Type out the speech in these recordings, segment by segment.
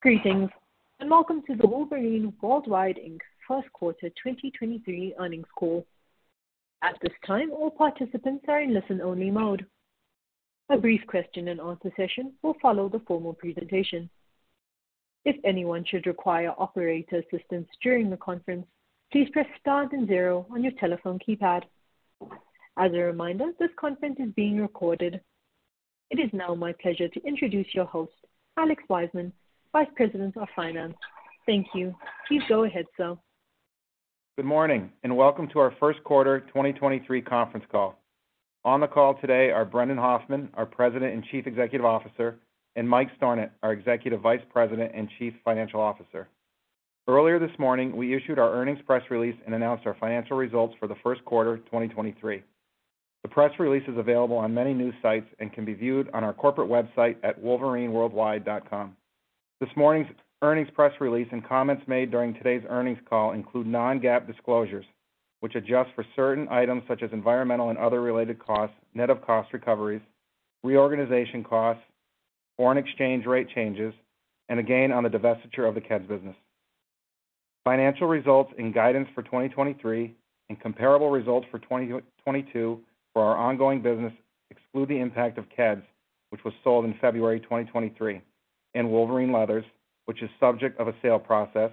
Greetings, welcome to the Wolverine World Wide, Inc. first quarter 2023 earnings call. At this time, all participants are in listen-only mode. A brief question and answer session will follow the formal presentation. If anyone should require operator assistance during the conference, please press star then zero on your telephone keypad. As a reminder, this conference is being recorded. It is now my pleasure to introduce your host, Alex Wiseman, Vice President of Finance. Thank you. Please go ahead, sir. Good morning, and welcome to our first quarter 2023 conference call. On the call today are Brendan Hoffman, our President and Chief Executive Officer, and Mike Stornant, our Executive Vice President and Chief Financial Officer. Earlier this morning, we issued our earnings press release and announced our financial results for the first quarter 2023. The press release is available on many news sites and can be viewed on our corporate website at wolverineworldwide.com. This morning's earnings press release and comments made during today's earnings call include non-GAAP disclosures, which adjust for certain items such as environmental and other related costs, net of cost recoveries, reorganization costs, foreign exchange rate changes, and a gain on the divestiture of the Keds business. Financial results and guidance for 2023 and comparable results for 2022 for our ongoing business exclude the impact of Keds, which was sold in February 2023, and Wolverine Leathers, which is subject of a sale process,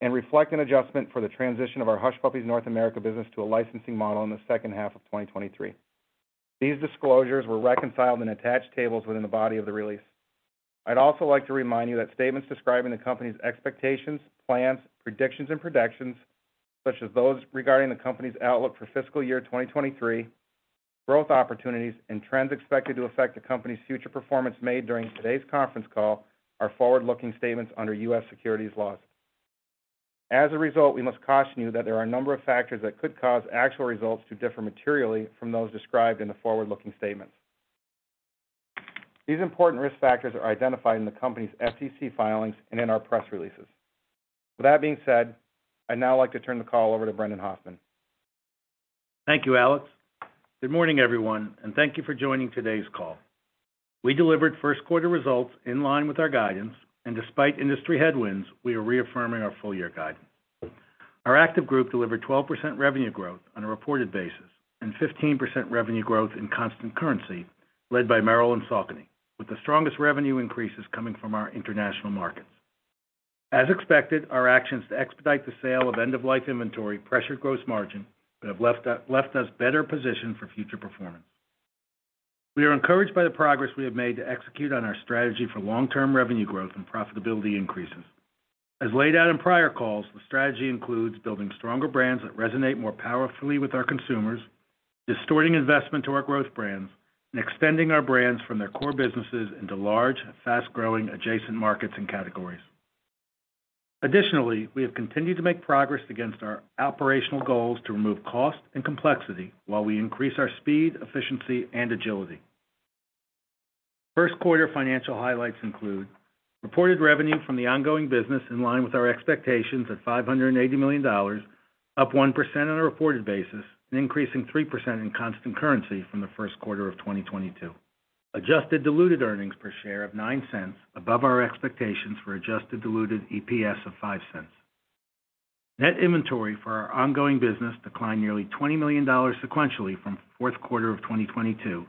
and reflect an adjustment for the transition of our Hush Puppies North America business to a licensing model in the second half of 2023. These disclosures were reconciled in attached tables within the body of the release. I'd also like to remind you that statements describing the company's expectations, plans, predictions, and projections, such as those regarding the company's outlook for fiscal year 2023, growth opportunities, and trends expected to affect the company's future performance made during today's conference call are forward-looking statements under U.S. securities laws. As a result, we must caution you that there are a number of factors that could cause actual results to differ materially from those described in the forward-looking statements. These important risk factors are identified in the company's SEC filings and in our press releases. With that being said, I'd now like to turn the call over to Brendan Hoffman. Thank you, Alex. Good morning, everyone, thank you for joining today's call. We delivered first quarter results in line with our guidance, despite industry headwinds, we are reaffirming our full year guidance. Our active group delivered 12% revenue growth on a reported basis, 15% revenue growth in constant currency led by Merrell and Saucony, with the strongest revenue increases coming from our international markets. As expected, our actions to expedite the sale of end-of-life inventory pressured gross margin, have left us better positioned for future performance. We are encouraged by the progress we have made to execute on our strategy for long-term revenue growth and profitability increases. As laid out in prior calls, the strategy includes building stronger brands that resonate more powerfully with our consumers, distorting investment to our growth brands, and extending our brands from their core businesses into large and fast-growing adjacent markets and categories. We have continued to make progress against our operational goals to remove cost and complexity while we increase our speed, efficiency, and agility. First quarter financial highlights include reported revenue from the ongoing business in line with our expectations at $580 million, up 1% on a reported basis, and increasing 3% in constant currency from the first quarter of 2022. Adjusted diluted earnings per share of $0.09 above our expectations for adjusted diluted EPS of $0.05. Net inventory for our ongoing business declined nearly $20 million sequentially from fourth quarter of 2022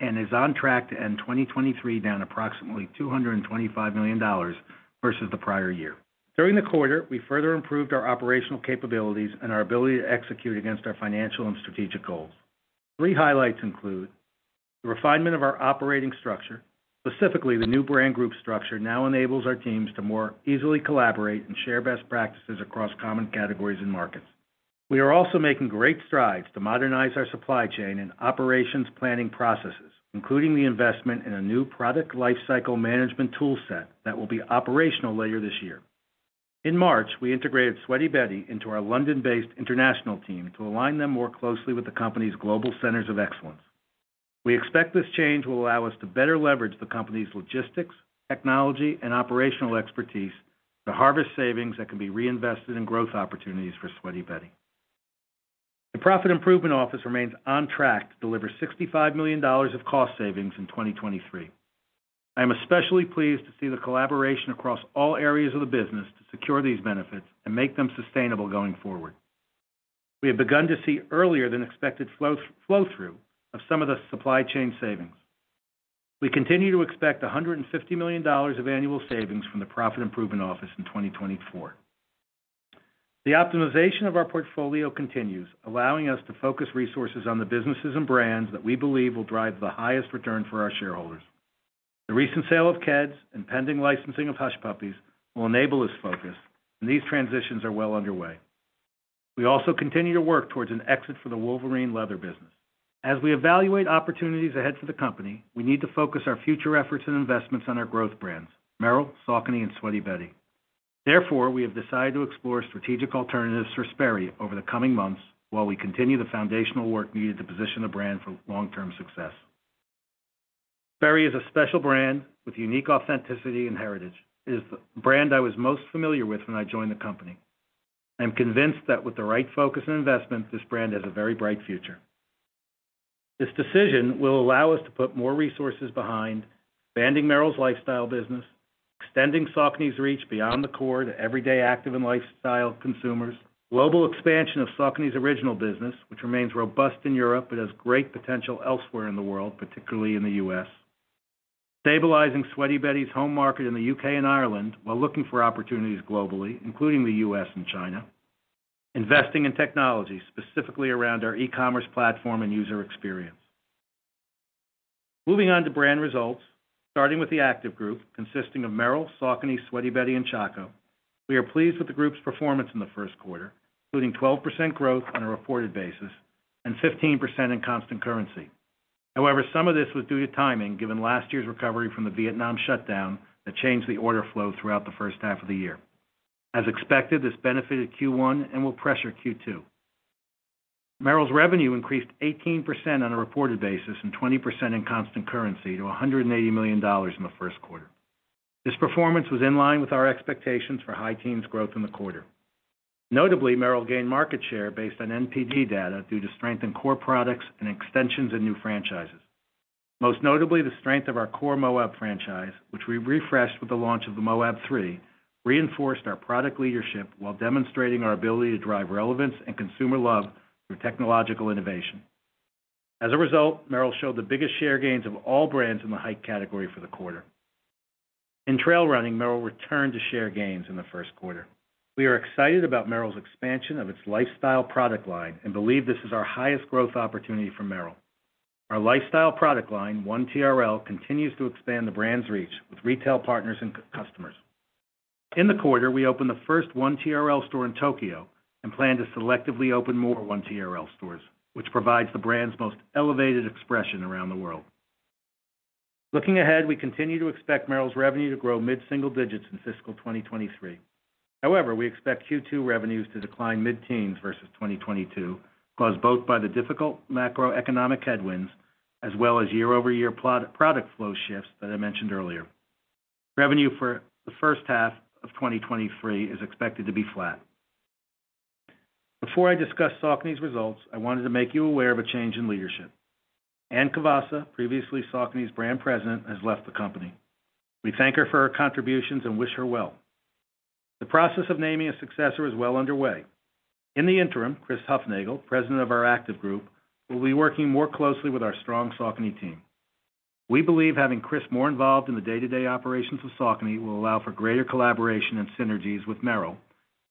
and is on track to end 2023 down approximately $225 million versus the prior year. During the quarter, we further improved our operational capabilities and our ability to execute against our financial and strategic goals. Three highlights include the refinement of our operating structure. Specifically, the new brand group structure now enables our teams to more easily collaborate and share best practices across common categories and markets. We are also making great strides to modernize our supply chain and operations planning processes, including the investment in a new product lifecycle management tool set that will be operational later this year. In March, we integrated Sweaty Betty into our London-based international team to align them more closely with the company's global centers of excellence. We expect this change will allow us to better leverage the company's logistics, technology, and operational expertise to harvest savings that can be reinvested in growth opportunities for Sweaty Betty. The Profit Improvement Office remains on track to deliver $65 million of cost savings in 2023. I am especially pleased to see the collaboration across all areas of the business to secure these benefits and make them sustainable going forward. We have begun to see earlier than expected flow-through of some of the supply chain savings. We continue to expect $150 million of annual savings from the Profit Improvement Office in 2024. The optimization of our portfolio continues, allowing us to focus resources on the businesses and brands that we believe will drive the highest return for our shareholders. The recent sale of Keds and pending licensing of Hush Puppies will enable this focus, and these transitions are well underway. We also continue to work towards an exit for the Wolverine Leathers business. As we evaluate opportunities ahead for the company, we need to focus our future efforts and investments on our growth brands, Merrell, Saucony, and Sweaty Betty. Therefore, we have decided to explore strategic alternatives for Sperry over the coming months while we continue the foundational work needed to position the brand for long-term success. Sperry is a special brand with unique authenticity and heritage. It is the brand I was most familiar with when I joined the company. I am convinced that with the right focus and investment, this brand has a very bright future. This decision will allow us to put more resources behind banding Merrell's lifestyle business, extending Saucony's reach beyond the core to everyday active and lifestyle consumers. Global expansion of Saucony's Originals business, which remains robust in Europe, but has great potential elsewhere in the world, particularly in the U.S. Stabilizing Sweaty Betty's home market in the U.K. and Ireland while looking for opportunities globally, including the U.S. and China. Investing in technology, specifically around our e-commerce platform and user experience. Moving on to brand results, starting with the active group consisting of Merrell, Saucony, Sweaty Betty, and Chaco. We are pleased with the group's performance in the first quarter, including 12% growth on a reported basis and 15% in constant currency. However, some of this was due to timing, given last year's recovery from the Vietnam shutdown that changed the order flow throughout the first half of the year. As expected, this benefited Q1 and will pressure Q2. Merrell's revenue increased 18% on a reported basis and 20% in constant currency to $180 million in the first quarter. This performance was in line with our expectations for high teens growth in the quarter. Notably, Merrell gained market share based on NPD data due to strength in core products and extensions in new franchises. Most notably, the strength of our core Moab franchise, which we refreshed with the launch of the Moab 3, reinforced our product leadership while demonstrating our ability to drive relevance and consumer love through technological innovation. As a result, Merrell showed the biggest share gains of all brands in the hike category for the quarter. In trail running, Merrell returned to share gains in the first quarter. We are excited about Merrell's expansion of its lifestyle product line and believe this is our highest growth opportunity for Merrell. Our lifestyle product line, 1TRL, continues to expand the brand's reach with retail partners and customers. In the quarter, we opened the first 1TRL store in Tokyo and plan to selectively open more 1TRL stores, which provides the brand's most elevated expression around the world. Looking ahead, we continue to expect Merrell's revenue to grow mid-single digits in fiscal 2023. However, we expect Q2 revenues to decline mid-teens versus 2022, caused both by the difficult macroeconomic headwinds as well as year-over-year product flow shifts that I mentioned earlier. Revenue for the first half of 2023 is expected to be flat. Before I discuss Saucony's results, I wanted to make you aware of a change in leadership. Anne Cavassa, previously Saucony's Brand President, has left the company. We thank her for her contributions and wish her well. The process of naming a successor is well underway. In the interim, Chris Hufnagel, President of our Active Group, will be working more closely with our strong Saucony team. We believe having Chris more involved in the day-to-day operations of Saucony will allow for greater collaboration and synergies with Merrell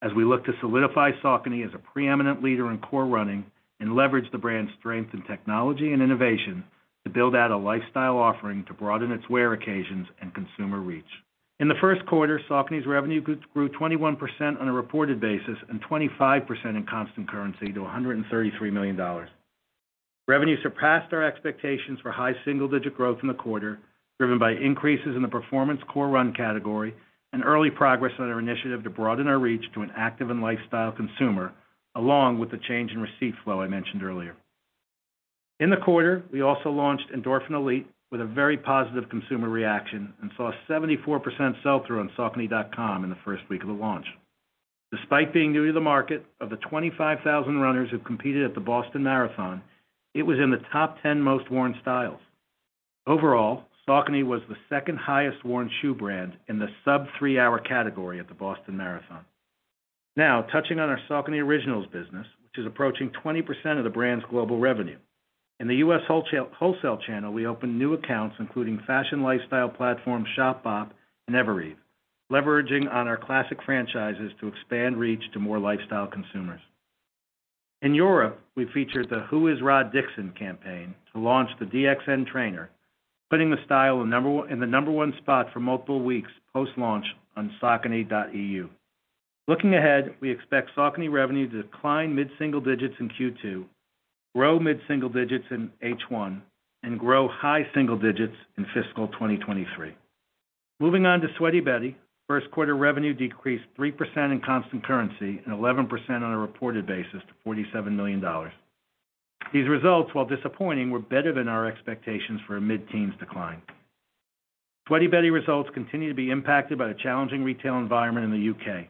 as we look to solidify Saucony as a preeminent leader in core running and leverage the brand's strength in technology and innovation to build out a lifestyle offering to broaden its wear occasions and consumer reach. In the first quarter, Saucony's revenue grew 21% on a reported basis and 25% in constant currency to $133 million. Revenue surpassed our expectations for high single-digit growth in the quarter, driven by increases in the performance core run category and early progress on our initiative to broaden our reach to an active and lifestyle consumer, along with the change in receipt flow I mentioned earlier. In the quarter, we also launched Endorphin Elite with a very positive consumer reaction and saw a 74% sell-through on saucony.com in the first week of the launch. Despite being new to the market, of the 25,000 runners who competed at the Boston Marathon, it was in the top 10 most worn styles. Overall, Saucony was the second highest worn shoe brand in the sub three-hour category at the Boston Marathon. Now touching on our Saucony Originals business, which is approaching 20% of the brand's global revenue. In the U.S. wholesale channel, we opened new accounts, including fashion lifestyle platform, Shopbop, and EVEREVE, leveraging on our classic franchises to expand reach to more lifestyle consumers. In Europe, we featured the Who Is Rod Dixon campaign to launch the DXN Trainer, putting the style in the number 1 spot for multiple weeks post-launch on saucony.eu. Looking ahead, we expect Saucony revenue to decline mid-single digits in Q2, grow mid-single digits in H1, and grow high single digits in fiscal 2023. Moving on to Sweaty Betty. First quarter revenue decreased 3% in constant currency and 11% on a reported basis to $47 million. These results, while disappointing, were better than our expectations for a mid-teens decline. Sweaty Betty results continue to be impacted by the challenging retail environment in the UK.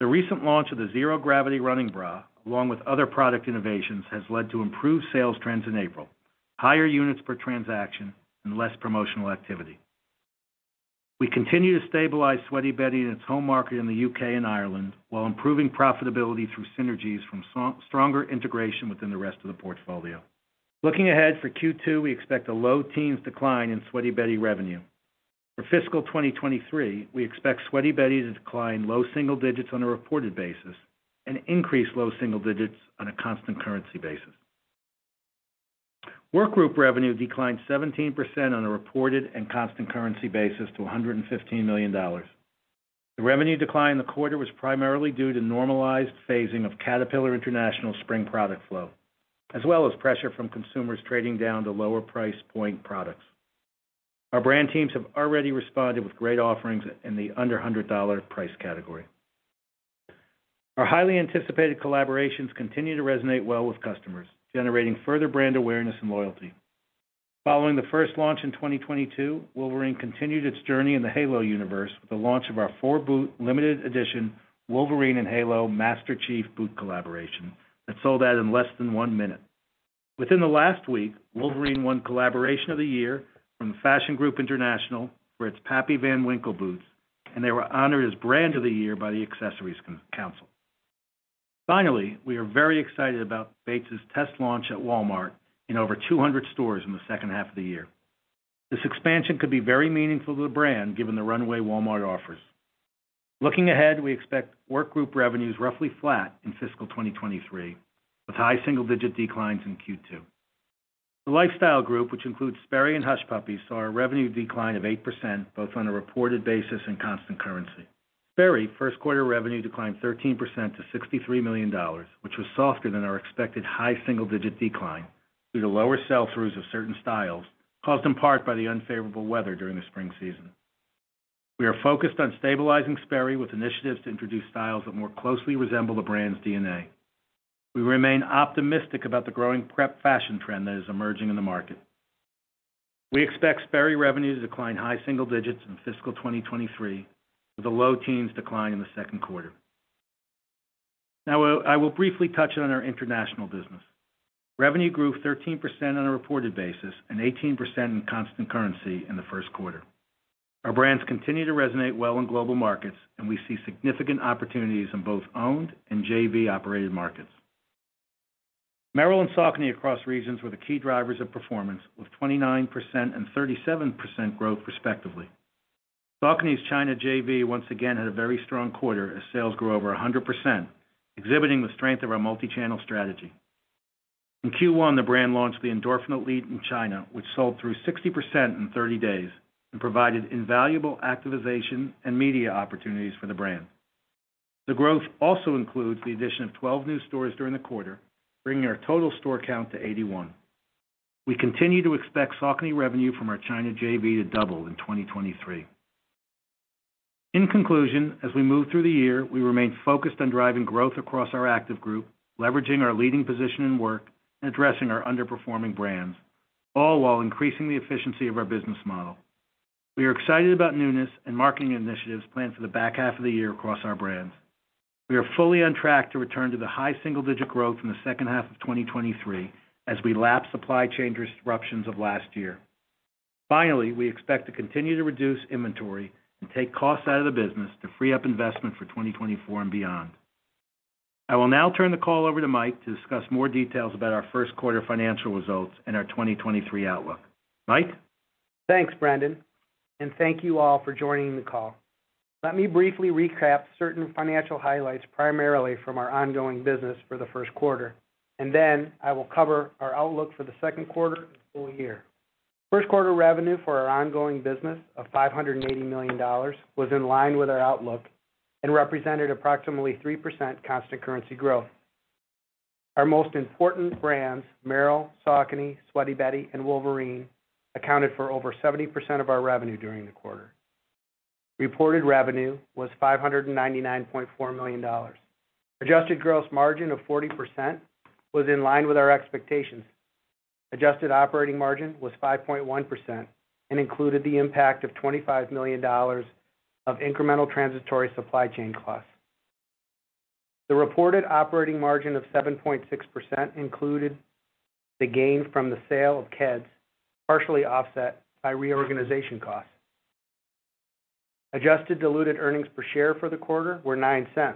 The recent launch of the Zero Gravity Running Bra, along with other product innovations, has led to improved sales trends in April, higher units per transaction, and less promotional activity. We continue to stabilize Sweaty Betty in its home market in the UK and Ireland, while improving profitability through synergies from stronger integration within the rest of the portfolio. Looking ahead for Q2, we expect a low teens decline in Sweaty Betty revenue. For fiscal 2023, we expect Sweaty Betty to decline low single digits on a reported basis and increase low single digits on a constant currency basis. Wolverine revenue declined 17% on a reported and constant currency basis to $115 million. The revenue decline in the quarter was primarily due to normalized phasing of Caterpillar International spring product flow, as well as pressure from consumers trading down to lower price point products. Our brand teams have already responded with great offerings in the under $100 price category. Our highly anticipated collaborations continue to resonate well with customers, generating further brand awareness and loyalty. Following the first launch in 2022, Wolverine continued its journey in the Halo universe with the launch of our 4-boot limited edition Wolverine and Halo Master Chief boot collaboration that sold out in less than 1 minute. Within the last week, Wolverine won Collaboration of the Year from the Fashion Group International for its Pappy Van Winkle boots, and they were honored as Brand of the Year by the Accessories Council. Finally, we are very excited about Bates' test launch at Walmart in over 200 stores in the second half of the year. This expansion could be very meaningful to the brand given the runway Walmart offers. Looking ahead, we expect work group revenues roughly flat in fiscal 2023, with high single-digit declines in Q2. The lifestyle group, which includes Sperry and Hush Puppies, saw a revenue decline of 8% both on a reported basis and constant currency. Sperry first quarter revenue declined 13% to $63 million, which was softer than our expected high single-digit decline due to lower sell-throughs of certain styles caused in part by the unfavorable weather during the spring season. We are focused on stabilizing Sperry with initiatives to introduce styles that more closely resemble the brand's DNA. We remain optimistic about the growing prep fashion trend that is emerging in the market. We expect Sperry revenue to decline high single digits in fiscal 2023, with a low teens decline in the second quarter. I will briefly touch on our international business. Revenue grew 13% on a reported basis and 18% in constant currency in the first quarter. Our brands continue to resonate well in global markets, and we see significant opportunities in both owned and JV-operated markets. Merrell and Saucony across regions were the key drivers of performance, with 29% and 37% growth respectively. Saucony's China JV once again had a very strong quarter as sales grew over 100%, exhibiting the strength of our multi-channel strategy. In Q1, the brand launched the Endorphin Elite in China, which sold through 60% in 30 days and provided invaluable activation and media opportunities for the brand. The growth also includes the addition of 12 new stores during the quarter, bringing our total store count to 81. We continue to expect Saucony revenue from our China JV to double in 2023. In conclusion, as we move through the year, we remain focused on driving growth across our Active Group, leveraging our leading position in work, and addressing our underperforming brands, all while increasing the efficiency of our business model. We are excited about newness and marketing initiatives planned for the back half of the year across our brands. We are fully on track to return to the high single-digit growth in the second half of 2023 as we lap supply chain disruptions of last year. We expect to continue to reduce inventory and take costs out of the business to free up investment for 2024 and beyond. I will now turn the call over to Mike to discuss more details about our first quarter financial results and our 2023 outlook. Mike? Thanks, Brendan. Thank you all for joining the call. Let me briefly recap certain financial highlights primarily from our ongoing business for the first quarter. Then I will cover our outlook for the second quarter and full year. First quarter revenue for our ongoing business of $580 million was in line with our outlook and represented approximately 3% constant currency growth. Our most important brands, Merrell, Saucony, Sweaty Betty, and Wolverine, accounted for over 70% of our revenue during the quarter. Reported revenue was $599.4 million. Adjusted gross margin of 40% was in line with our expectations. Adjusted operating margin was 5.1%. Included the impact of $25 million of incremental transitory supply chain costs. The reported operating margin of 7.6% included the gain from the sale of Keds, partially offset by reorganization costs. Adjusted diluted earnings per share for the quarter were $0.09,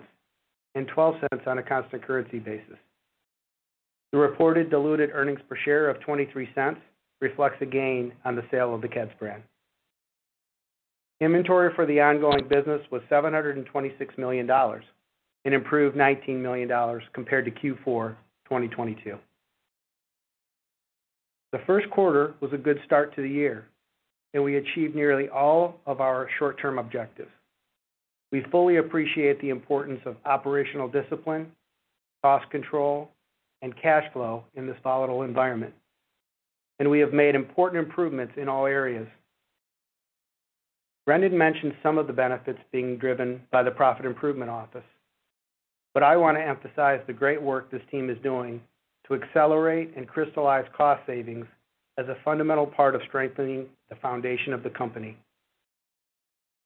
and $0.12 on a constant currency basis. The reported diluted earnings per share of $0.23 reflects a gain on the sale of the Keds brand. Inventory for the ongoing business was $726 million, and improved $19 million compared to Q4 2022. The first quarter was a good start to the year, and we achieved nearly all of our short-term objectives. We fully appreciate the importance of operational discipline, cost control, and cash flow in this volatile environment, and we have made important improvements in all areas. Brandon mentioned some of the benefits being driven by the Profit Improvement Office, but I want to emphasize the great work this team is doing to accelerate and crystallize cost savings as a fundamental part of strengthening the foundation of the company.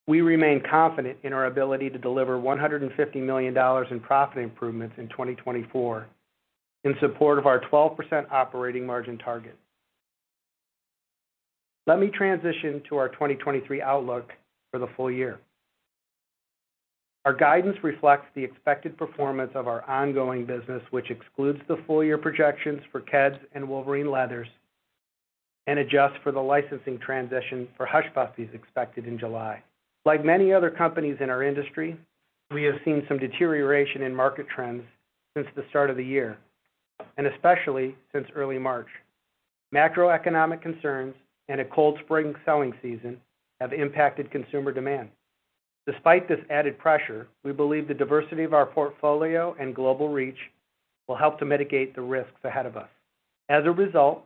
We remain confident in our ability to deliver $150 million in profit improvements in 2024 in support of our 12% operating margin target. Let me transition to our 2023 outlook for the full year. Our guidance reflects the expected performance of our ongoing business, which excludes the full year projections for Keds and Wolverine Leathers, and adjusts for the licensing transition for Hush Puppies expected in July. Like many other companies in our industry, we have seen some deterioration in market trends since the start of the year, and especially since early March. Macroeconomic concerns and a cold spring selling season have impacted consumer demand. Despite this added pressure, we believe the diversity of our portfolio and global reach will help to mitigate the risks ahead of us. As a result,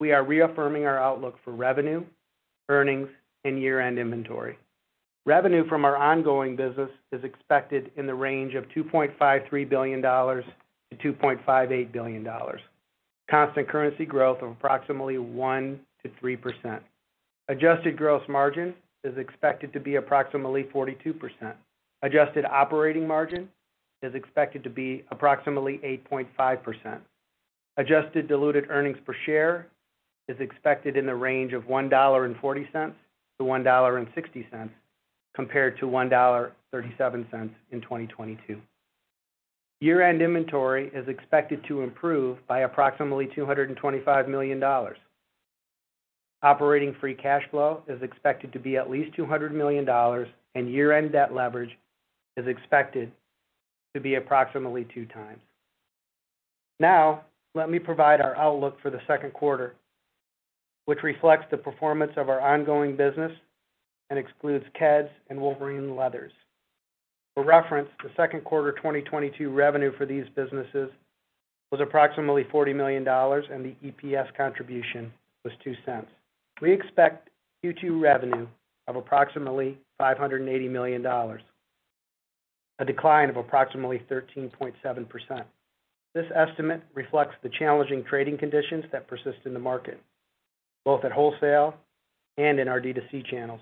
we are reaffirming our outlook for revenue, earnings, and year-end inventory. Revenue from our ongoing business is expected in the range of $2.53 billion-$2.58 billion. Constant currency growth of approximately 1%-3%. Adjusted gross margin is expected to be approximately 42%. Adjusted operating margin is expected to be approximately 8.5%. Adjusted diluted earnings per share is expected in the range of $1.40-$1.60, compared to $1.37 in 2022. Year-end inventory is expected to improve by approximately $225 million. Operating free cash flow is expected to be at least $200 million, and year-end debt leverage is expected to be approximately 2 times. Let me provide our outlook for the second quarter, which reflects the performance of our ongoing business and excludes Keds and Wolverine Leathers. For reference, the second quarter 2022 revenue for these businesses was approximately $40 million, and the EPS contribution was $0.02. We expect Q2 revenue of approximately $580 million, a decline of approximately 13.7%. This estimate reflects the challenging trading conditions that persist in the market, both at wholesale and in our D2C channels.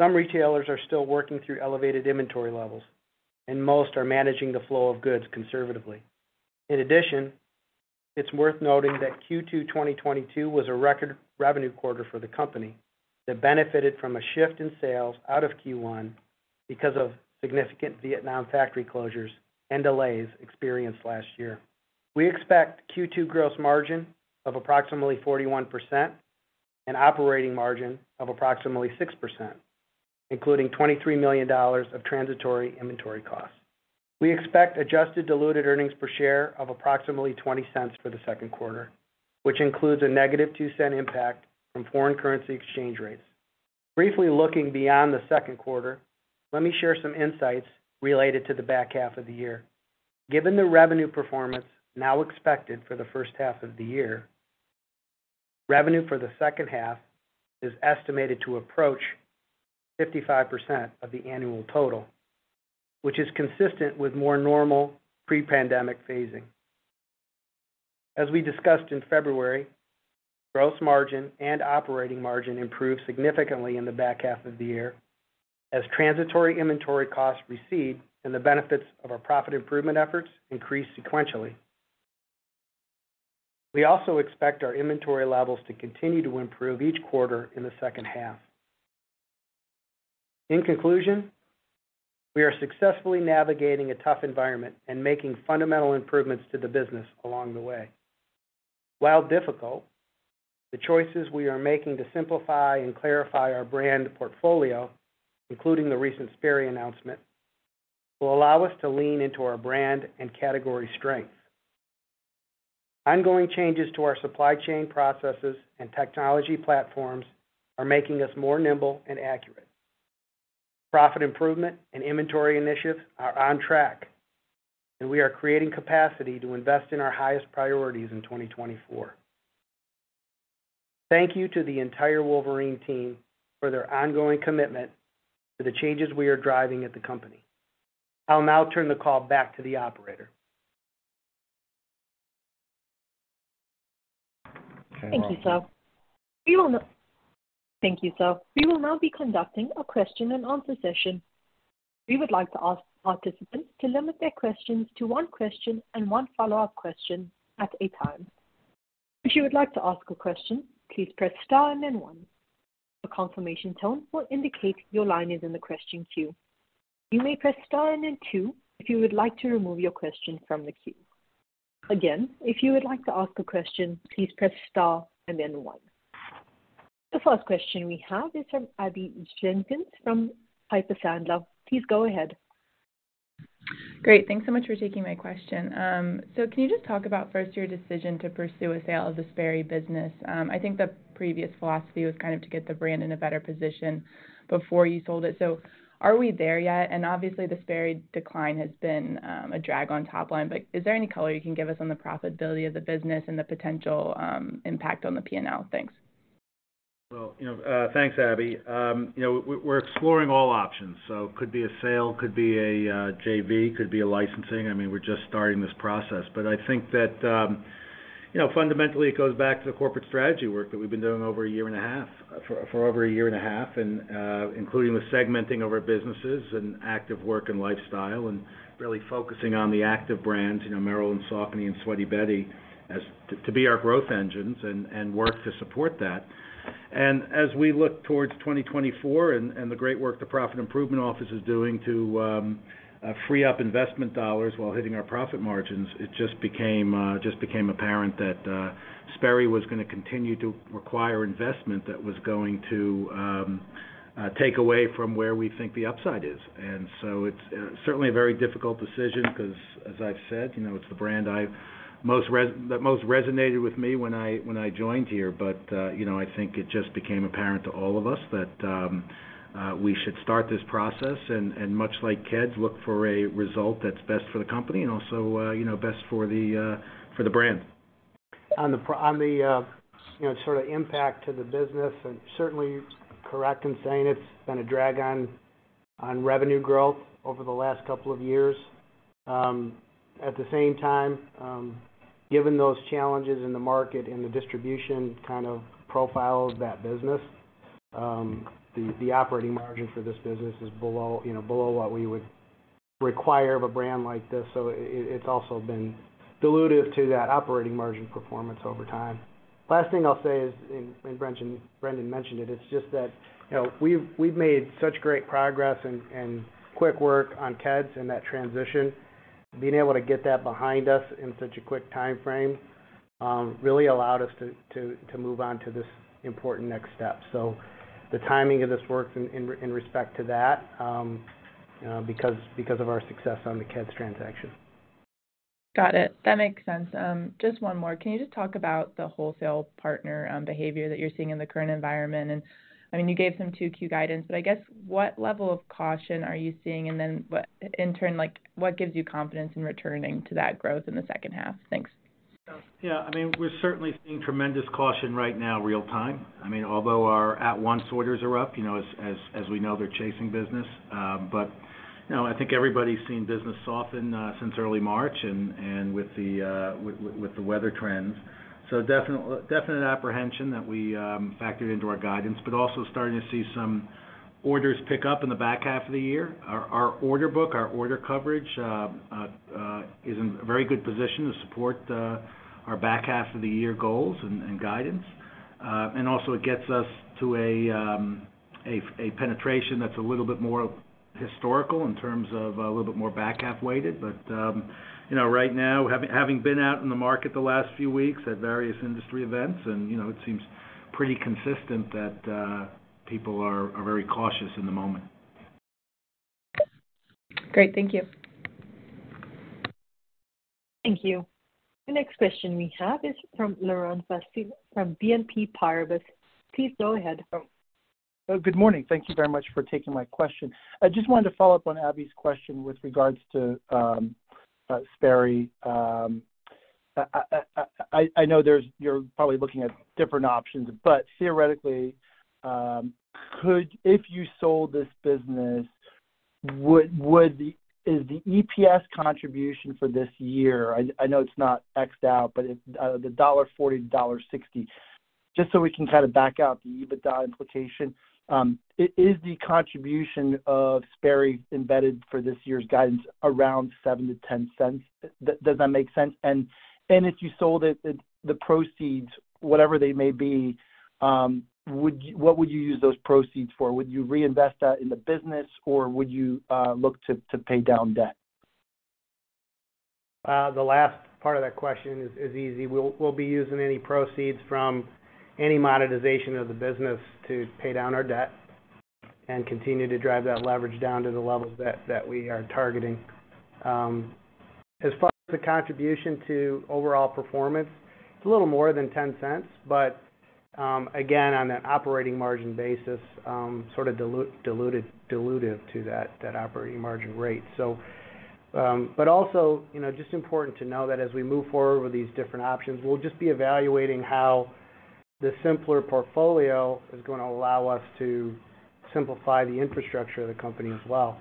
Some retailers are still working through elevated inventory levels, and most are managing the flow of goods conservatively. It's worth noting that Q2 2022 was a record revenue quarter for the company that benefited from a shift in sales out of Q1 because of significant Vietnam factory closures and delays experienced last year. We expect Q2 gross margin of approximately 41% and operating margin of approximately 6%, including $23 million of transitory inventory costs. We expect adjusted diluted earnings per share of approximately $0.20 for the second quarter, which includes a negative $0.02 impact from foreign currency exchange rates. Briefly looking beyond the second quarter, let me share some insights related to the back half of the year. Given the revenue performance now expected for the first half of the year, revenue for the second half is estimated to approach 55% of the annual total, which is consistent with more normal pre-pandemic phasing. As we discussed in February, gross margin and operating margin improve significantly in the back half of the year as transitory inventory costs recede and the benefits of our profit improvement efforts increase sequentially. We also expect our inventory levels to continue to improve each quarter in the second half. In conclusion, we are successfully navigating a tough environment and making fundamental improvements to the business along the way. While difficult, the choices we are making to simplify and clarify our brand portfolio, including the recent Sperry announcement, will allow us to lean into our brand and category strength. Ongoing changes to our supply chain processes and technology platforms are making us more nimble and accurate. Profit improvement and inventory initiatives are on track, and we are creating capacity to invest in our highest priorities in 2024. Thank you to the entire Wolverine team for their ongoing commitment to the changes we are driving at the company. I'll now turn the call back to the operator. Thank you, sir. We will now be conducting a question and answer session. We would like to ask participants to limit their questions to 1 question and 1 follow-up question at a time. If you would like to ask a question, please press star and then 1. A confirmation tone will indicate your line is in the question queue. You may press star and then 2 if you would like to remove your question from the queue. Again, if you would like to ask a question, please press star and then 1. The first question we have is from Abbie Zvejnieks from Piper Sandler. Please go ahead. Great. Thanks so much for taking my question. Can you just talk about, first, your decision to pursue a sale of the Sperry business? I think the previous philosophy was kind of to get the brand in a better position before you sold it. Are we there yet? Obviously, the Sperry decline has been a drag on top line. Is there any color you can give us on the profitability of the business and the potential impact on the P&L? Thanks. You know, thanks, Abby. You know, we're exploring all options, so could be a sale, could be a JV, could be a licensing. I mean, we're just starting this process. I think that, you know, fundamentally, it goes back to the corporate strategy work that we've been doing for over a year and a half, including the segmenting of our businesses and active work and lifestyle, and really focusing on the active brands, you know, Merrell and Saucony and Sweaty Betty to be our growth engines and work to support that. As we look towards 2024 and the great work the Profit Improvement Office is doing to free up investment dollars while hitting our profit margins, it became apparent that Sperry was gonna continue to require investment that was going to take away from where we think the upside is. It's certainly a very difficult decision 'cause as I've said, you know, it's the brand that most resonated with me when I joined here. You know, I think it just became apparent to all of us that we should start this process and, much like Keds, look for a result that's best for the company and also, you know, best for the, for the brand. On the, you know, sort of impact to the business and certainly correct in saying it's been a drag on revenue growth over the last couple of years. At the same time, given those challenges in the market and the distribution kind of profile of that business, the operating margin for this business is below, you know, below what we would require of a brand like this. So it's also been dilutive to that operating margin performance over time. Last thing I'll say is, and Brendan mentioned it's just that, you know, we've made such great progress and quick work on Keds and that transition. Being able to get that behind us in such a quick timeframe really allowed us to move on to this important next step. The timing of this works in respect to that because of our success on the Keds transaction. Got it. That makes sense. Just one more. Can you just talk about the wholesale partner, behavior that you're seeing in the current environment? I mean, you gave some two key guidance. I guess what level of caution are you seeing? Then in turn, like, what gives you confidence in returning to that growth in the second half? Thanks. Yeah. I mean, we're certainly seeing tremendous caution right now real time. I mean, although our at once orders are up, you know, as, as we know, they're chasing business. But, you know, I think everybody's seen business soften since early March and with the with, with the weather trends. So definite apprehension that we factored into our guidance, but also starting to see some orders pick up in the back half of the year. Our, our order book, our order coverage, is in a very good position to support our back half of the year goals and guidance. And also it gets us to a penetration that's a little bit more historical in terms of a little bit more back half weighted. You know, right now, having been out in the market the last few weeks at various industry events and, you know, it seems pretty consistent that people are very cautious in the moment. Great. Thank you. Thank you. The next question we have is from Laurent Vasilescu, from BNP Paribas. Please go ahead. Good morning. Thank you very much for taking my question. I just wanted to follow up on Abby's question with regards to Sperry. I know you're probably looking at different options, but theoretically, if you sold this business, would the... Is the EPS contribution for this year, I know it's not X out, but it, the $1.40-$1.60, just so we can kind of back out the EBITDA implication, is the contribution of Sperry embedded for this year's guidance around $0.07-$0.10? Does that make sense? If you sold it, the proceeds, whatever they may be, what would you use those proceeds for? Would you reinvest that in the business, or would you look to pay down debt? The last part of that question is easy. We'll be using any proceeds from any monetization of the business to pay down our debt and continue to drive that leverage down to the levels that we are targeting. As far as the contribution to overall performance, it's a little more than $0.10, but again, on an operating margin basis, sort of dilutive to that operating margin rate. But also, you know, just important to know that as we move forward with these different options, we'll just be evaluating how the simpler portfolio is gonna allow us to simplify the infrastructure of the company as well.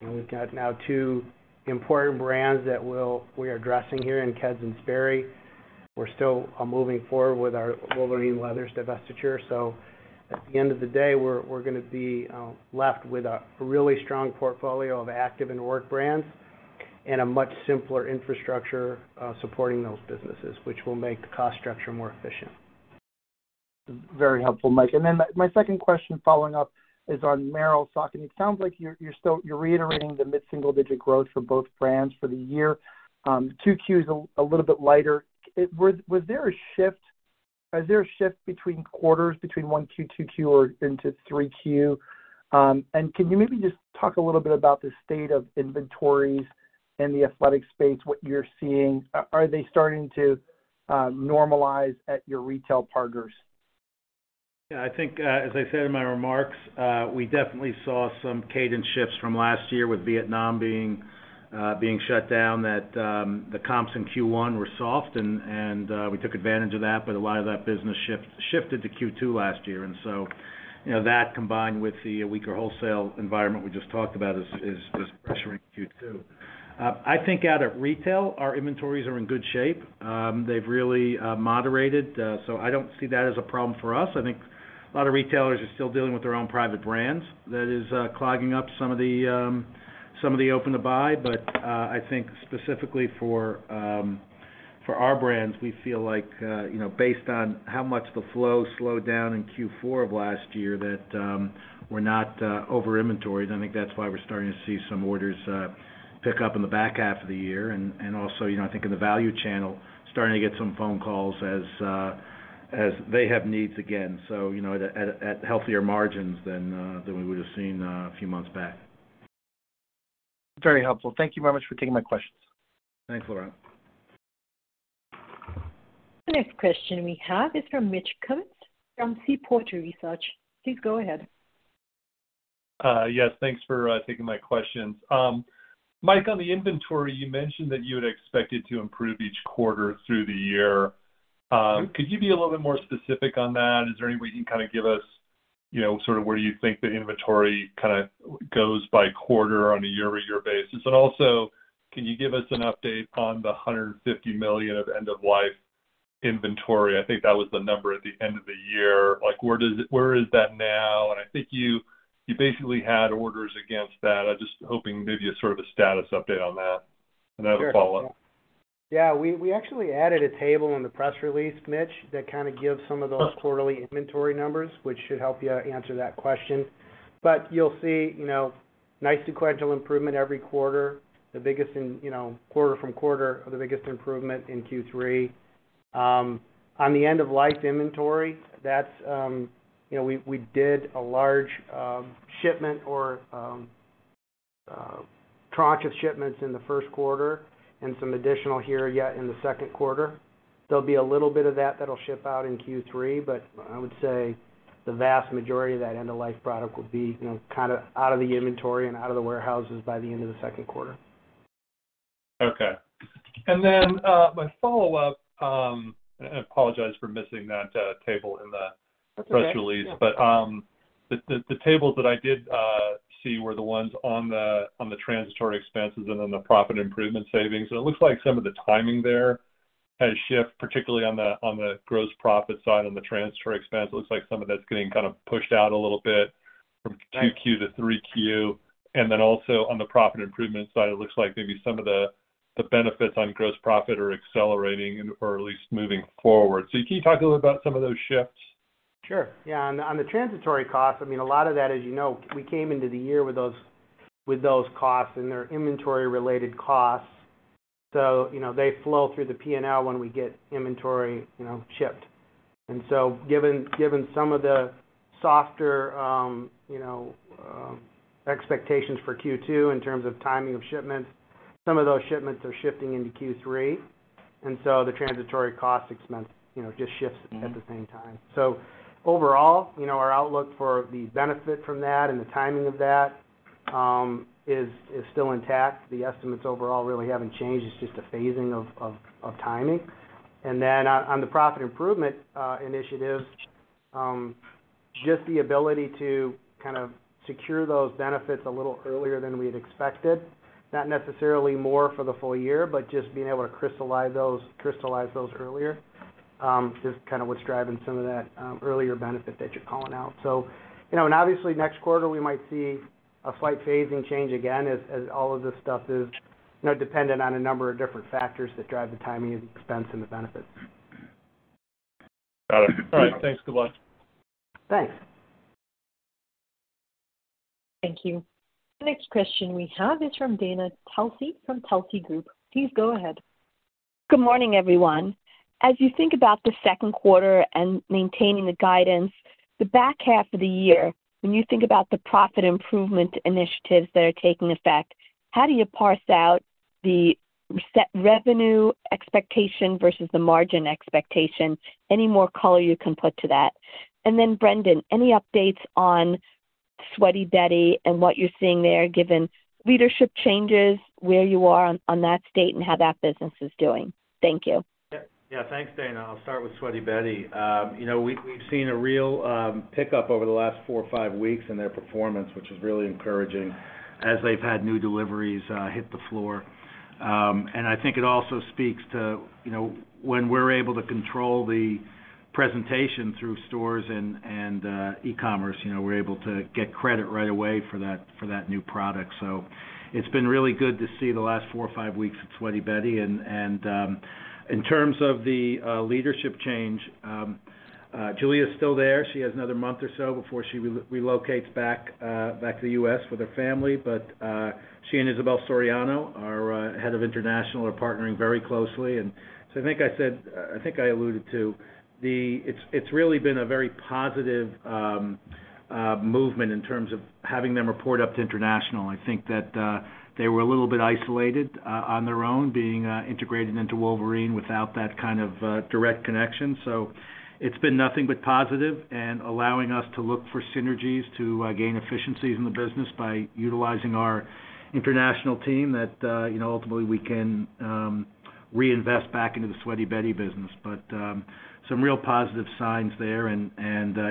You know, we've got now two important brands that we are addressing here in Keds and Sperry. We're still moving forward with our Wolverine Leathers divestiture. At the end of the day, we're gonna be left with a really strong portfolio of active and work brands and a much simpler infrastructure, supporting those businesses, which will make the cost structure more efficient. Very helpful, Mike. My second question following up is on Merrell Saucony. It sounds like you're still reiterating the mid-single-digit growth for both brands for the year. 2 Q is a little bit lighter. Was there a shift between quarters between 1 Q, 2 Q, or into 3 Q? Can you maybe just talk a little bit about the state of inventories in the athletic space, what you're seeing? Are they starting to normalize at your retail partners? Yeah. I think as I said in my remarks, we definitely saw some cadence shifts from last year with Vietnam being shut down, that the comps in Q1 were soft and we took advantage of that. A lot of that business shifted to Q2 last year. You know, that combined with the weaker wholesale environment we just talked about is pressuring Q2. I think out at retail, our inventories are in good shape. They've really moderated. I don't see that as a problem for us. I think a lot of retailers are still dealing with their own private brands. That is clogging up some of the open to buy. I think specifically for our brands, we feel like, you know, based on how much the flow slowed down in Q4 of last year, that we're not over inventoried. I think that's why we're starting to see some orders pick up in the back half of the year. Also, you know, I think in the value channel, starting to get some phone calls as they have needs again, so, you know, at healthier margins than we would have seen a few months back. Very helpful. Thank you very much for taking my questions. Thanks, Laurent. The next question we have is from Mitch Kummetz from Seaport Research. Please go ahead. Yes, thanks for taking my questions. Mike, on the inventory, you mentioned that you had expected to improve each quarter through the year. Could you be a little bit more specific on that? Is there any way you can kind of give us, you know, sort of where you think the inventory kind of goes by quarter on a year-over-year basis? Also, can you give us an update on the $150 million of end-of-life inventory? I think that was the number at the end of the year. Like, where is that now? I think you basically had orders against that. I'm just hoping maybe a sort of a status update on that. I have a follow-up. We actually added a table in the press release, Mitch, that kind of gives some of those quarterly inventory numbers, which should help you answer that question. You'll see, you know, nice sequential improvement every quarter, the biggest in, you know, quarter from quarter, the biggest improvement in Q3. On the end-of-life inventory, that's, you know, we did a large shipment or tranche of shipments in the first quarter and some additional here yet in the second quarter. There'll be a little bit of that that'll ship out in Q3, but I would say the vast majority of that end-of-life product will be, you know, kinda out of the inventory and out of the warehouses by the end of the second quarter. Okay. My follow-up, and I apologize for missing that table in the press release. That's okay. Yeah. The tables that I did see were the ones on the transitory expenses and then the Profit Improvement savings. It looks like some of the timing there has shift, particularly on the gross profit side, on the transitory expense. It looks like some of that's getting kind of pushed out a little bit from 2Q to 3Q. Also on the Profit Improvement side, it looks like maybe some of the benefits on gross profit are accelerating or at least moving forward. Can you talk a little about some of those shifts? Sure. Yeah. On the transitory costs, I mean, a lot of that, as you know, we came into the year with those costs, and they're inventory-related costs. So, you know, they flow through the P&L when we get inventory, you know, shipped. Given some of the softer, you know, expectations for Q2 in terms of timing of shipments, some of those shipments are shifting into Q3. The transitory cost expense, you know, just shifts at the same time. Overall, you know, our outlook for the benefit from that and the timing of that, is still intact. The estimates overall really haven't changed. It's just a phasing of timing. On the profit improvement initiatives, just the ability to kind of secure those benefits a little earlier than we'd expected, not necessarily more for the full year, but just being able to crystallize those earlier, is kind of what's driving some of that earlier benefit that you're calling out. You know, and obviously, next quarter we might see a slight phasing change again as all of this stuff is, you know, dependent on a number of different factors that drive the timing of the expense and the benefits. Got it. All right. Thanks. Good luck. Thanks. Thank you. The next question we have is from Dana Telsey from Telsey Group. Please go ahead. Good morning, everyone. As you think about the second quarter and maintaining the guidance, the back half of the year, when you think about the profit improvement initiatives that are taking effect, how do you parse out the set revenue expectation versus the margin expectation? Any more color you can put to that? Then Brendan, any updates on Sweaty Betty and what you're seeing there, given leadership changes, where you are on that state and how that business is doing? Thank you. Thanks, Dana Telsey. I'll start with Sweaty Betty. You know, we've seen a real pickup over the last four or five weeks in their performance, which is really encouraging as they've had new deliveries hit the floor. I think it also speaks to, you know, when we're able to control the presentation through stores and e-commerce, you know, we're able to get credit right away for that, for that new product. It's been really good to see the last four or five weeks at Sweaty Betty. In terms of the leadership change, Julia's still there. She has another 1 month or so before she relocates back to the U.S. with her family. She and Isabel Soriano, our Head of International, are partnering very closely. I think I said, I think I alluded to the it's really been a very positive movement in terms of having them report up to international. I think that they were a little bit isolated on their own, being integrated into Wolverine without that kind of direct connection. It's been nothing but positive and allowing us to look for synergies to gain efficiencies in the business by utilizing our international team that, you know, ultimately we can reinvest back into the Sweaty Betty business. Some real positive signs there and,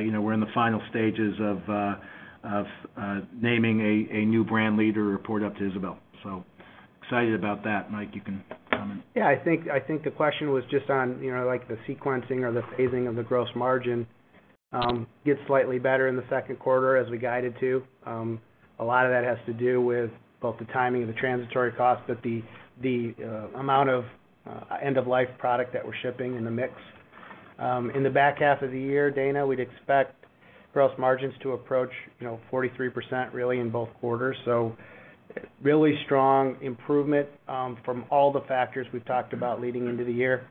you know, we're in the final stages of naming a new brand leader to report up to Isabel. Excited about that. Mike, you can comment. I think the question was just on, you know, like the sequencing or the phasing of the gross margin, get slightly better in the second quarter as we guided to. A lot of that has to do with both the timing of the transitory cost, but the amount of end-of-life product that we're shipping in the mix. In the back half of the year, Dana, we'd expect gross margins to approach, you know, 43% really in both quarters. Really strong improvement from all the factors we've talked about leading into the year,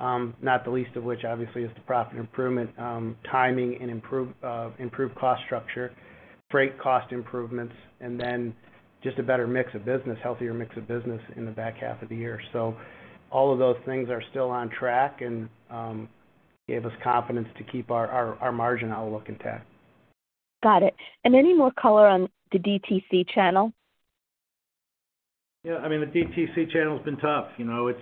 not the least of which obviously is the Profit Improvement, timing and improved cost structure, freight cost improvements, and then just a better mix of business, healthier mix of business in the back half of the year. All of those things are still on track and gave us confidence to keep our margin outlook intact. Got it. Any more color on the D2C channel? Yeah, I mean, the DTC channel's been tough. You know, it's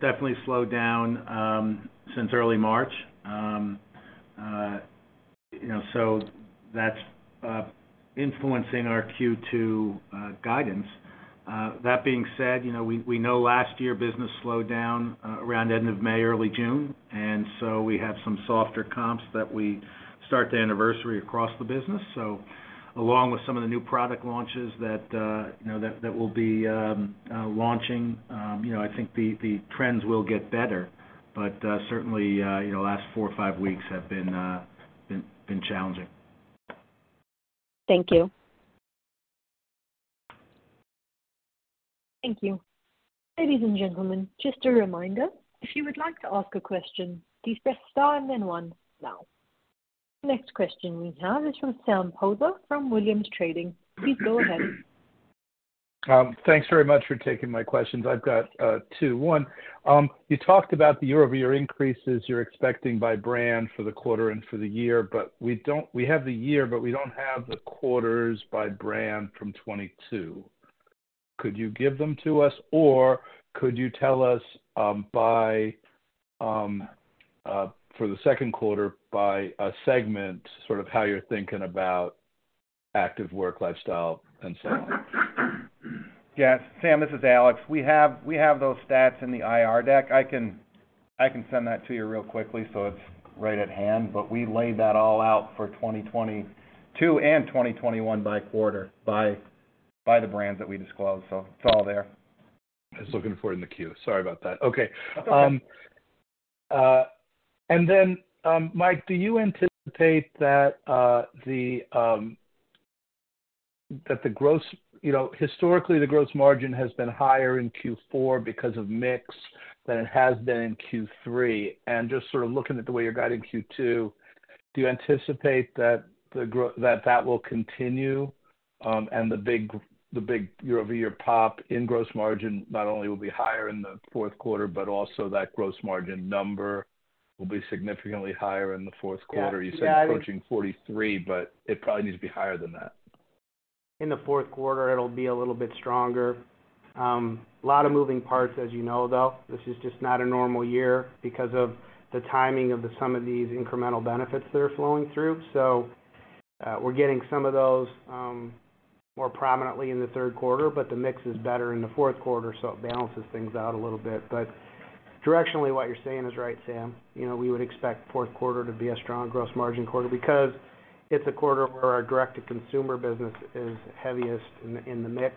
definitely slowed down since early March. You know, that's influencing our Q2 guidance. That being said, you know, we know last year business slowed down around end of May, early June, we have some softer comps that we start to anniversary across the business. Along with some of the new product launches that, you know, that we'll be launching, you know, I think the trends will get better. Certainly, you know, last 4 or 5 weeks have been challenging. Thank you. Thank you. Ladies and gentlemen, just a reminder, if you would like to ask a question, please press star and then one now. The next question we have is from Sam Poser from Williams Trading. Please go ahead. Thanks very much for taking my questions. I've got two. One, you talked about the year-over-year increases you're expecting by brand for the quarter and for the year. We have the year, but we don't have the quarters by brand from 2022. Could you give them to us? Could you tell us, by, for the second quarter by a segment, sort of how you're thinking about active work lifestyle and so on? Yes. Sam, this is Alex. We have those stats in the IR deck. I can send that to you real quickly, so it's right at hand. We laid that all out for 2022 and 2021 by quarter by the brands that we disclosed. It's all there. I was looking for it in the queue. Sorry about that. Okay. That's okay. Mike, do you anticipate that the gross margin has been higher in Q4 because of mix than it has been in Q3? Just sort of looking at the way you're guiding Q2, do you anticipate that that will continue, and the big year-over-year pop in gross margin not only will be higher in the fourth quarter, but also that gross margin number will be significantly higher in the fourth quarter? Yeah. You said approaching 43, but it probably needs to be higher than that. In the fourth quarter, it'll be a little bit stronger. A lot of moving parts as you know, though. This is just not a normal year because of the timing of some of these incremental benefits that are flowing through. We're getting some of those more prominently in the third quarter, but the mix is better in the fourth quarter, it balances things out a little bit. Directionally, what you're saying is right, Sam. You know, we would expect fourth quarter to be a strong gross margin quarter because it's a quarter where our direct-to-consumer business is heaviest in the mix.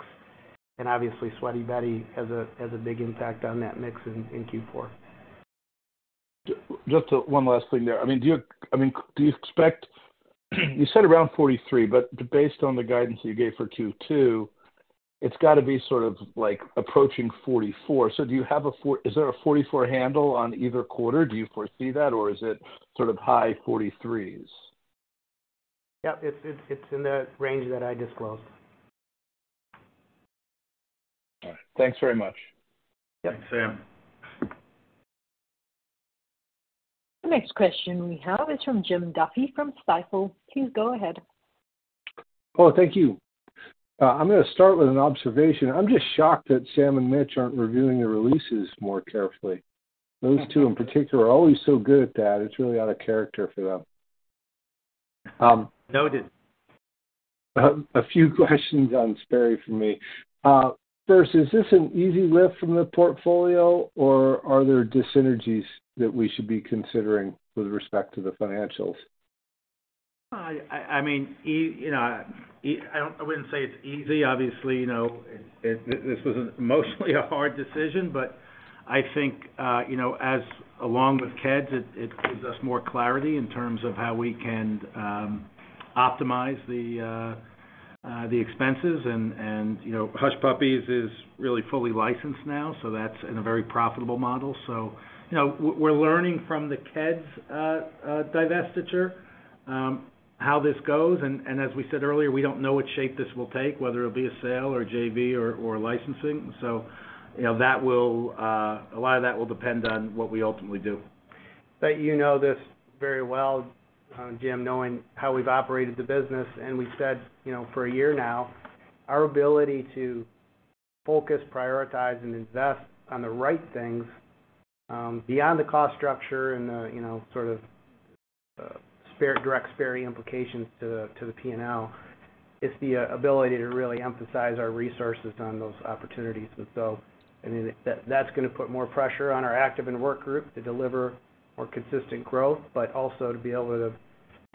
Obviously, Sweaty Betty has a big impact on that mix in Q4. Just one last thing there. I mean, do you expect? You said around 43, but based on the guidance you gave for Q2, it's got to be sort of like approaching 44. Is there a 44 handle on either quarter? Do you foresee that? Or is it sort of high 43s? Yeah. It's in the range that I disclosed. All right. Thanks very much. Yeah. The next question we have is from Jim Duffy from Stifel. Please go ahead. Thank you. I'm gonna start with an observation. I'm just shocked that Sam Poser and Mitch Kummetz aren't reviewing the releases more carefully. Those two in particular are always so good at that. It's really out of character for them. Noted. A few questions on Sperry for me. First, is this an easy lift from the portfolio, or are there dyssynergies that we should be considering with respect to the financials? I mean, you know, I wouldn't say it's easy. Obviously, you know, this was emotionally a hard decision, but I think, you know, as along with Keds, it gives us more clarity in terms of how we can optimize the expenses and, you know, Hush Puppies is really fully licensed now, so that's in a very profitable model. You know, we're learning from the Keds divestiture, how this goes. As we said earlier, we don't know what shape this will take, whether it'll be a sale or JV or licensing. You know, that will, a lot of that will depend on what we ultimately do. You know this very well, Jim, knowing how we've operated the business, and we said, you know, for a year now, our ability to focus, prioritize, and invest on the right things, beyond the cost structure and the, you know, sort of, direct Sperry implications to the P&L, it's the ability to really emphasize our resources on those opportunities. I mean, that's gonna put more pressure on our active and work group to deliver more consistent growth, but also to be able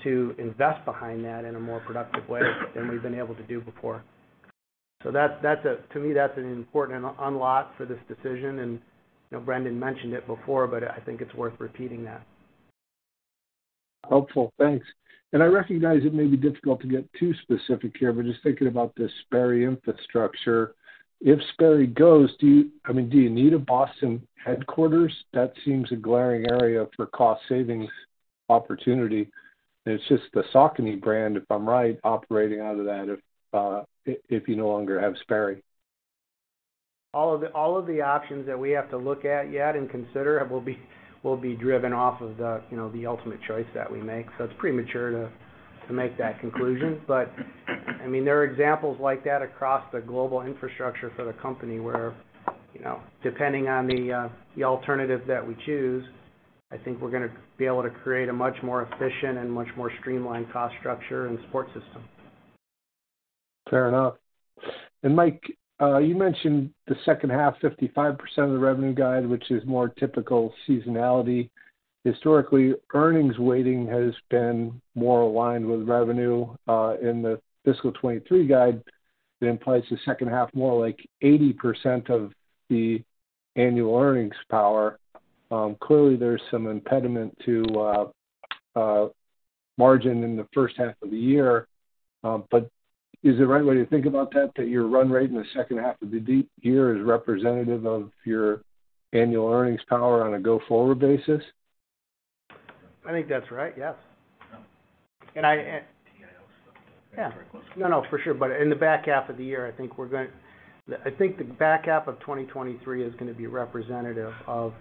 to invest behind that in a more productive way than we've been able to do before. That's to me, that's an important unlock for this decision. You know, Brendan mentioned it before, I think it's worth repeating that. Helpful. Thanks. I recognize it may be difficult to get too specific here, but just thinking about the Sperry infrastructure. If Sperry goes, do you, I mean, do you need a Boston headquarters? That seems a glaring area for cost savings opportunity. It's just the Saucony brand, if I'm right, operating out of that if you no longer have Sperry. All of the options that we have to look at yet and consider will be driven off of the, you know, the ultimate choice that we make. It's premature to make that conclusion. I mean, there are examples like that across the global infrastructure for the company where, you know, depending on the alternative that we choose, I think we're gonna be able to create a much more efficient and much more streamlined cost structure and support system. Fair enough. Mike, you mentioned the second half, 55% of the revenue guide, which is more typical seasonality. Historically, earnings weighting has been more aligned with revenue, in the fiscal 2023 guide that implies the second half more like 80% of the annual earnings power. Clearly there's some impediment to margin in the first half of the year. Is the right way to think about that your run rate in the second half of the year is representative of your annual earnings power on a go-forward basis? I think that's right, yes. DIO is still very close. No, no, for sure. In the back half of the year, I think the back half of 2023 is gonna be representative of,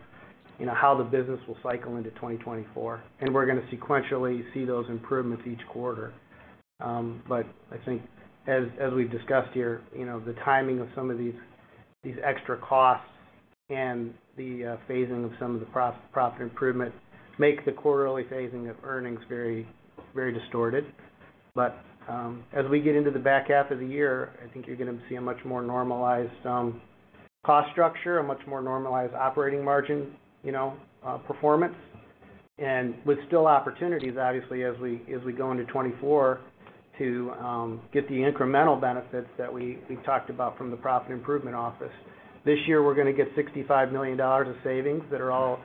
you know, how the business will cycle into 2024, and we're gonna sequentially see those improvements each quarter. I think as we've discussed here, you know, the timing of some of these extra costs and the phasing of some of the Profit Improvement make the quarterly phasing of earnings very, very distorted. As we get into the back half of the year, I think you're gonna see a much more normalized cost structure, a much more normalized operating margin, you know, performance. With still opportunities, obviously, as we, as we go into 2024 to get the incremental benefits that we've talked about from the Profit Improvement Office. This year, we're gonna get $65 million of savings that are all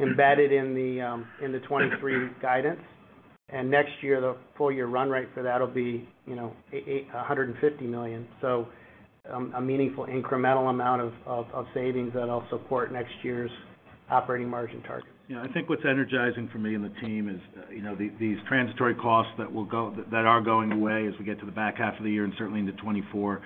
embedded in the 2023 guidance. Next year, the full year run rate for that'll be, you know, $150 million. A meaningful incremental amount of savings that'll support next year's operating margin targets. You know, I think what's energizing for me and the team is, you know, these transitory costs that are going away as we get to the back half of the year and certainly into 2024.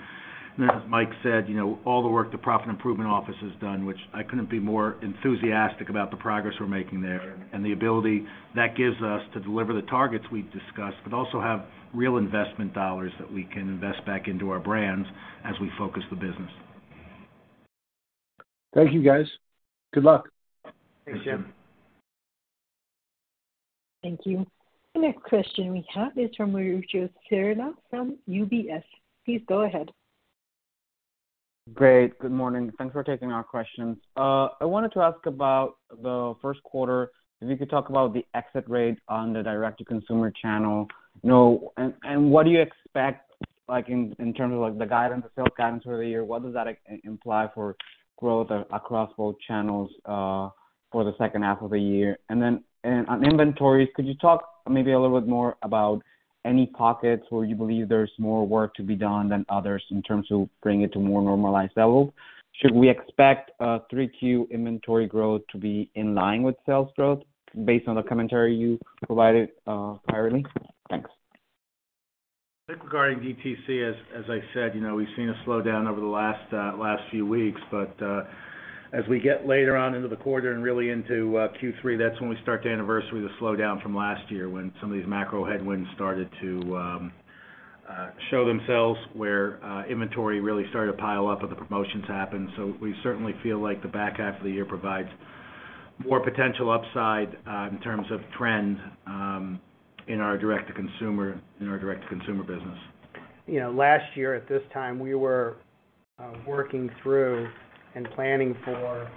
As Mike said, you know, all the work the Profit Improvement Office has done, which I couldn't be more enthusiastic about the progress we're making there and the ability that gives us to deliver the targets we've discussed, but also have real investment dollars that we can invest back into our brands as we focus the business. Thank you, guys. Good luck. Thanks, Jim. Thank you. Thank you. The next question we have is from Mauricio Serna from UBS. Please go ahead. Great. Good morning. Thanks for taking our questions. I wanted to ask about the first quarter, if you could talk about the exit rates on the direct-to-consumer channel. You know, what do you expect in terms of the guidance, the sales guidance for the year, what does that imply for growth across both channels for the second half of the year? On inventories, could you talk maybe a little bit more about any pockets where you believe there's more work to be done than others in terms of bringing it to more normalized levels? Should we expect Q3 inventory growth to be in line with sales growth based on the commentary you provided priorly? Thanks. Regarding DTC, as I said, you know, we've seen a slowdown over the last few weeks. As we get later on into the quarter and really into Q3, that's when we start to anniversary the slowdown from last year when some of these macro headwinds started to show themselves where inventory really started to pile up as the promotions happened. We certainly feel like the back half of the year provides more potential upside in terms of trend in our direct-to-consumer business. You know, last year at this time, we were working through and planning for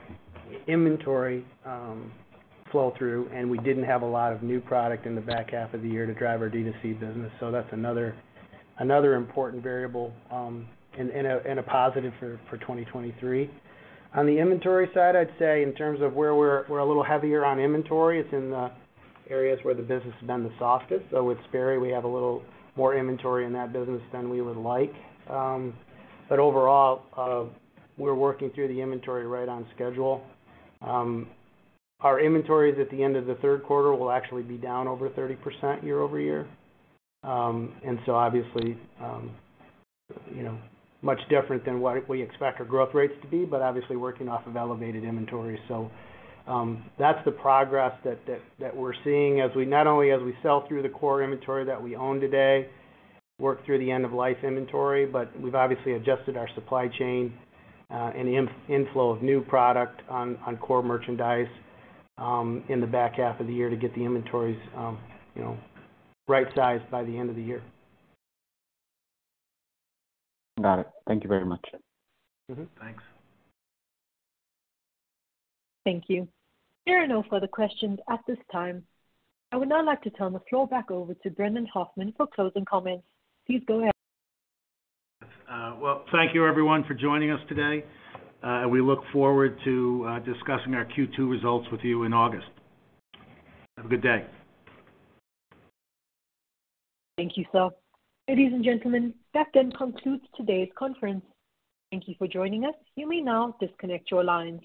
inventory flow through, and we didn't have a lot of new product in the back half of the year to drive our D2C business. That's another important variable and a positive for 2023. On the inventory side, I'd say in terms of where we're a little heavier on inventory, it's in the areas where the business has been the softest. With Sperry, we have a little more inventory in that business than we would like. Overall, we're working through the inventory right on schedule. Our inventories at the end of the third quarter will actually be down over 30% year-over-year. Obviously, you know, much different than what we expect our growth rates to be, but obviously working off of elevated inventories. That's the progress that we're seeing as we not only as we sell through the core inventory that we own today, work through the end-of-life inventory, but we've obviously adjusted our supply chain, and the inflow of new product on core merchandise, in the back half of the year to get the inventories, you know, right-sized by the end of the year. Got it. Thank you very much. Mm-hmm. Thanks. Thank you. There are no further questions at this time. I would now like to turn the floor back over to Brendan Hoffman for closing comments. Please go ahead. Well, thank you everyone for joining us today. We look forward to discussing our Q2 results with you in August. Have a good day. Thank you. Ladies and gentlemen, that then concludes today's conference. Thank you for joining us. You may now disconnect your lines.